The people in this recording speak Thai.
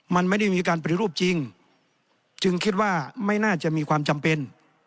มันไม่ได้มีการปฏิรูปจริงจึงคิดว่าไม่น่าจะมีความจำเป็น